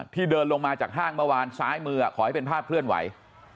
เดินลงมาจากห้างเมื่อวานซ้ายมือขอให้เป็นภาพเคลื่อนไหว